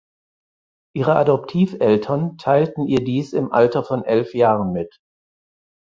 Ihre Adoptiveltern teilten ihr dies im Alter von elf Jahren mit.